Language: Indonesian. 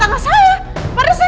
apa melepasi saya